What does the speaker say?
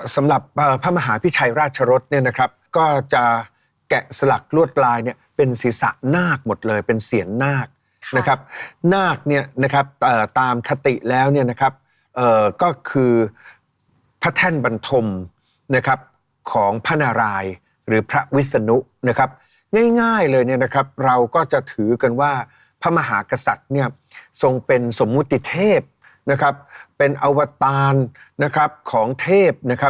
สำหรับพระมหาพิชัยราชรสเนี่ยนะครับก็จะแกะสลักลวดลายเนี่ยเป็นศีรษะนาคหมดเลยเป็นเสียนนาคนะครับนาคเนี่ยนะครับตามคติแล้วเนี่ยนะครับก็คือพระแท่นบันธมนะครับของพระนารายหรือพระวิศนุนะครับง่ายเลยเนี่ยนะครับเราก็จะถือกันว่าพระมหากษัตริย์เนี่ยทรงเป็นสมมุติเทพนะครับเป็นอวตารนะครับของเทพนะครับ